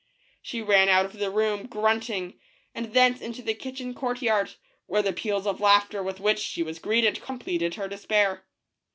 She ran out of the room grunting, and thence into the kitchen courtyard, where the peals of laughter with which she was greeted completed her despair.